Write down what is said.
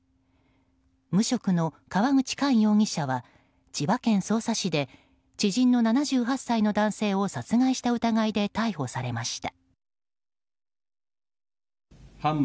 無職の川口寛容疑者は千葉県匝瑳市で知人の７８歳の男性を殺害した疑いで逮捕されました。